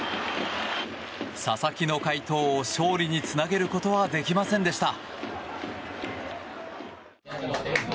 佐々木の快投を勝利につなげることはできませんでした。